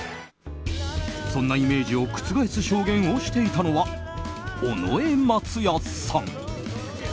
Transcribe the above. そんなイメージを覆す証言をしていたのは尾上松也さん。